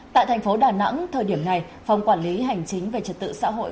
tại thành phố đà nẵng thời điểm này phòng quản lý hành chính về trật tự xã hội